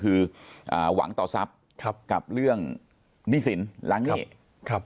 คือหวังต่อทรัพย์กับเรื่องนิสินล้างเน่